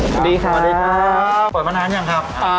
สวัสดีครับเปิดมานานยังครับ